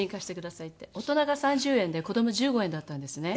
大人が３０円で子ども１５円だったんですね。